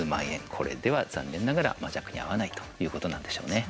これでは、残念ながら間尺に合わないということなんでしょうね。